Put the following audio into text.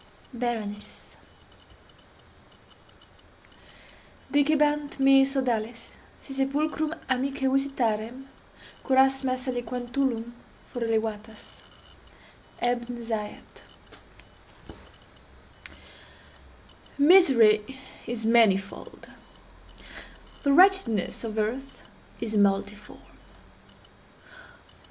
BERENICE Dicebant mihi sodales, si sepulchrum amicae visitarem, curas meas aliquar tulum fore levatas.—Ebn Zaiat. Misery is manifold. The wretchedness of earth is multiform.